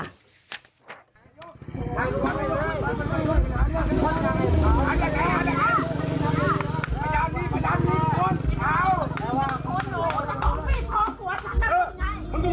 แต่เป็นผู้ช่วยผู้อะไรแบบนี้หนูไม่รักหนูรักไม่ได้